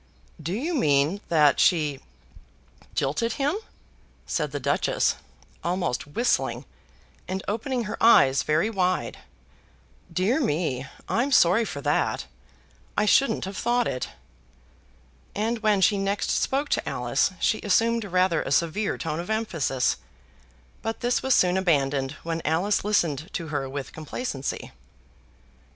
"Do you mean that she jilted him?" said the Duchess, almost whistling, and opening her eyes very wide. "Dear me, I'm sorry for that. I shouldn't have thought it." And when she next spoke to Alice she assumed rather a severe tone of emphasis; but this was soon abandoned when Alice listened to her with complacency.